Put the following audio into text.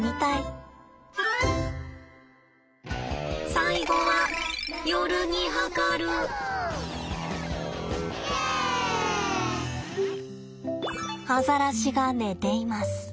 最後はアザラシが寝ています。